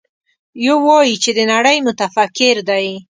يو وايي چې د نړۍ متفکر دی.